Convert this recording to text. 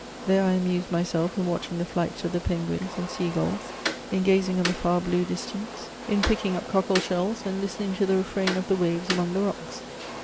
There I amused myself in watching the flights of the penguins and sea gulls, in gazing on the far blue distance, in picking up cockle shells, and listen ing to the refrain of the waves among the rocks.